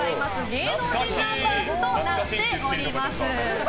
芸能人ナンバーズとなっております。